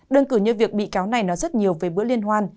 đơn cử như việc bị cáo này nói rất nhiều về bữa liên hoan